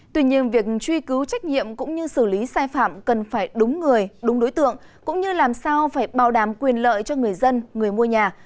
tuy nhiên việc truy cứu trách nhiệm cũng như xử lý sai phạm cần phải đúng người đúng đối tượng cũng như làm sao phải bảo đảm quyền lợi cho người dân người mua nhà